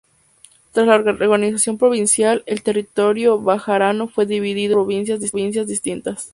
Tras la reorganización provincial, el territorio bejarano fue dividido en tres provincias distintas.